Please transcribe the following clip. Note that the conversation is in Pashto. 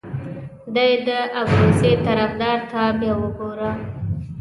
دې د ابروزي طرفدار ته بیا وګوره.